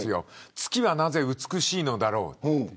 月はなぜ美しいのだろう。